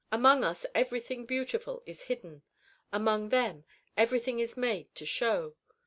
Among us everything beautiful is hidden; among them, everything is made to show.